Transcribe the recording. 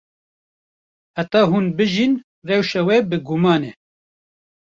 Heta hûn bijîn, rewşa we bi guman e.